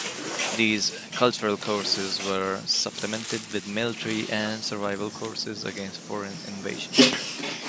These cultural courses were supplemented with military and survival courses against foreign invasion.